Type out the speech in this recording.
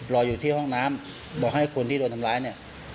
รออยู่ที่ห้องน้ำบอกให้คนที่โดนทำร้ายเนี่ย